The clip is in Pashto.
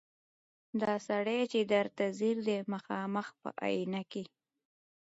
دا سړی چي درته ځیر دی مخامخ په آیینه کي